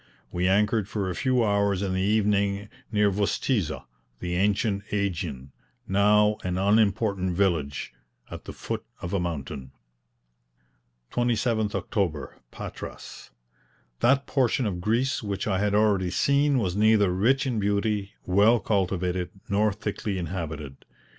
We anchored for a few hours in the evening near Vostizza, the ancient AEgion, now an unimportant village, at the foot of a mountain. 27th October, Patras. That portion of Greece which I had already seen was neither rich in beauty, well cultivated, nor thickly inhabited.